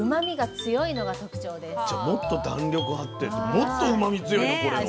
じゃもっと弾力あってもっとうまみ強いの？